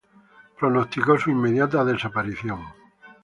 pronosticó su inmediata desaparición